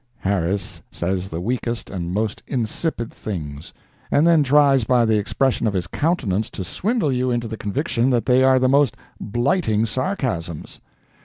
Harris says the weakest and most insipid things, and then tries by the expression of his countenance to swindle you into the conviction that they are the most blighting sarcasms.